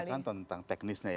dilekan tentang teknisnya ya